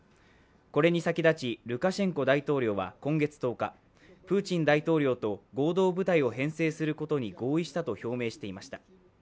これに先立ち、ルカシェンコ大統領は今月１０日、プーチン大統領と合同部隊を編成することに合意したと表明していました。